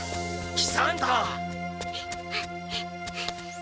喜三太！